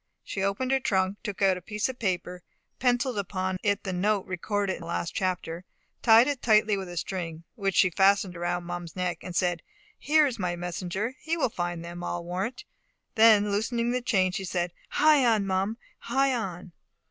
She opened her trunk, took out a piece of paper, pencilled upon it the note recorded in the last chapter, tied it tightly with a string, which she fastened around Mum's neck, and said, "Here is my messenger! He will find them, I warrant." Then loosening the chain, she said, "Hie on, Mum! hie on!"